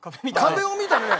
壁を見た？